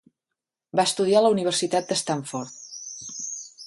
Va estudiar a la Universitat de Stanford.